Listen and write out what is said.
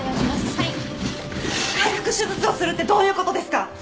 開腹手術をするってどういうことですか？